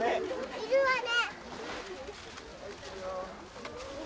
いるわね。